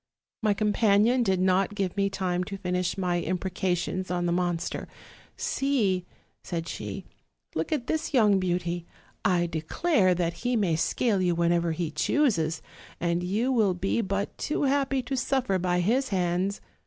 My companion did not give me time to finish my imprecations on the monster: 'See,' said shr, 'look at this young beauty; I declare that he may scale you whenever he chooses, and you will be but too happy to suffer by his hands!'